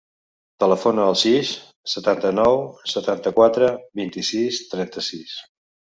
Telefona al sis, setanta-nou, setanta-quatre, vint-i-sis, trenta-sis.